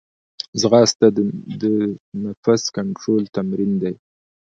ځغاسته د نفس کنټرول تمرین دی